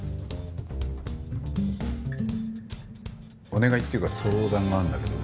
お願いっていうか相談があるんだけど。